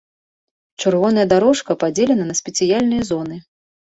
Чырвоная дарожка падзелена на спецыяльныя зоны.